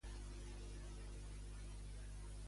Des de llavors, de quina forma se sentia?